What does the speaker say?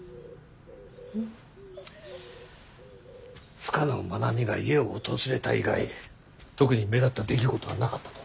深野愛美が家を訪れた以外特に目立った出来事はなかったと。